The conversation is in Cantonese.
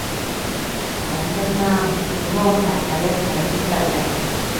講得啱，要安排睇一睇先得嘞